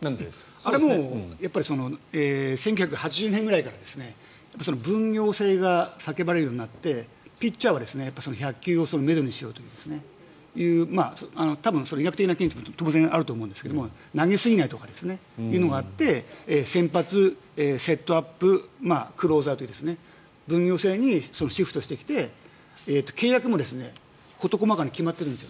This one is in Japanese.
あれは１９８０年ぐらいから分業制が叫ばれるようになってピッチャーは１００球をめどにしようという多分、それは医学的な見地も当然あると思うんですが投げすぎないとかっていうのがあって先発、セットアップクローザーという分業制にシフトしてきて、契約も事細かに決まってるんですよ。